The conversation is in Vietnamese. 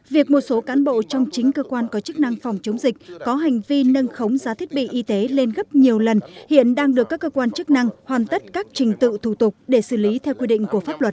việc một số cán bộ trong chính cơ quan có chức năng phòng chống dịch có hành vi nâng khống giá thiết bị y tế lên gấp nhiều lần hiện đang được các cơ quan chức năng hoàn tất các trình tự thủ tục để xử lý theo quy định của pháp luật